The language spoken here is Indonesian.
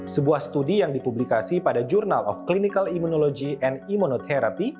sebuah studi yang dipublikasi pada jurnal of clinical immunology and immonoterapi